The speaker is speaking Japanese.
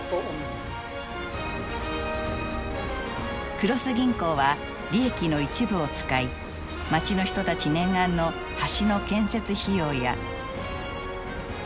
黒須銀行は利益の一部を使い町の人たち念願の橋の建設費用や。